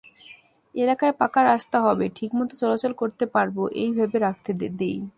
এলাকায় পাকা রাস্তা হবে, ঠিকমতো চলাচল করতে পারব—এই ভেবে রাখতে দিই।